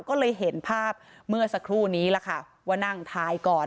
ก็เลยเห็นภาพเมื่อสักครู่นี้ล่ะค่ะว่านั่งท้ายก่อน